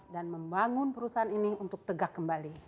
dan membangun perusahaan ini untuk tegak kembali